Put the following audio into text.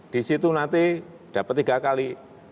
disitu nanti dapat tiga kali